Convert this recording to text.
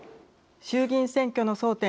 衆議院選挙の争点